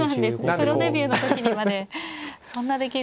プロデビューの時にまでそんな出来事が。